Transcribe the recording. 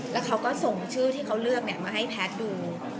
แล้วเขาก็ส่งชื่อที่เขาเลือกมาให้แพทย์ดู